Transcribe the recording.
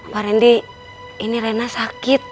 pak rendy ini rena sakit